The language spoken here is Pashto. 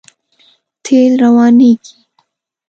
تېل روانېږي.